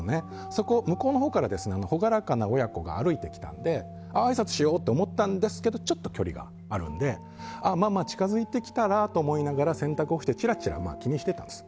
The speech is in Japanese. そこ、向こうのほうから朗らかな親子が歩いてきたんで、あいさつしようって思ったんですけどちょっと距離があるので近づいてきたなと思いながら洗濯物を干しながら気にしていたんです。